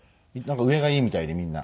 上がいいみたいでみんな。